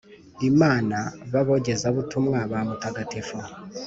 Imana b Abogezabutumwa ba Mutagatifu